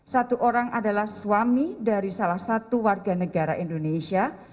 satu orang adalah suami dari salah satu warga negara indonesia